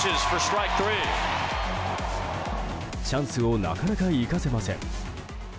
チャンスをなかなか生かせません。